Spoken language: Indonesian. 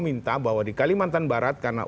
minta bahwa di kalimantan barat karena